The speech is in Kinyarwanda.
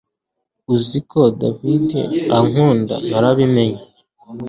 Uzi ko david ankunda narabimenye